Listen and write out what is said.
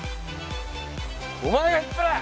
お前が引っ張れ！